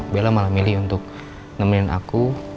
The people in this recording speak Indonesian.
bella malah milih untuk nemenin aku